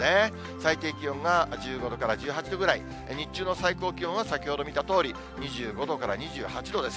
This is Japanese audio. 最低気温が１５度から１８度ぐらい、日中の最高気温は先ほど見たとおり、２５度から２８度です。